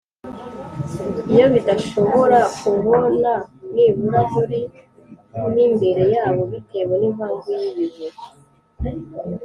iyo bidashobora kubona nibura muri m imbere yabo bitewe n' impamvu y' ibihu